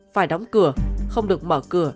phải đóng cửa không được mở cửa